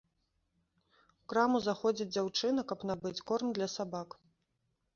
У краму заходзіць дзяўчына, каб набыць корм для сабак.